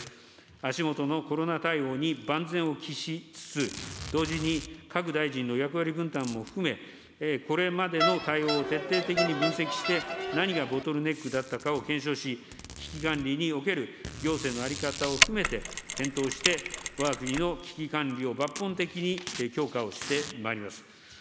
足元のコロナ対応に万全を期しつつ、同時に各大臣の役割分担も含め、これまでの対応を徹底的に分析して、何がボトルネックだったかを検証し、危機管理における行政の在り方を含めて、検討してわが国の危機管理を抜本的に強化をしてまいります。